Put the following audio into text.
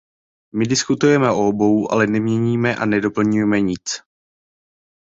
My diskutujeme o obou, ale neměníme a nedoplňujeme nic.